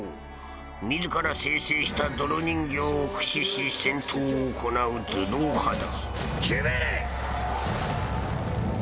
豹自ら生成した泥人形を駆使し戦闘を行う頭脳派だ「地母神」！